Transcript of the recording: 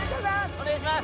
お願いします。